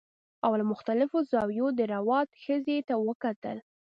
او له مختلفو زاویو یې د روات ښځې ته وکتل